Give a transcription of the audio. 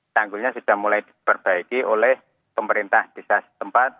tanggulnya sudah mulai diperbaiki oleh pemerintah desa setempat